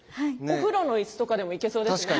お風呂の椅子とかでもいけそうですよね。